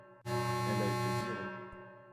elle a été virée.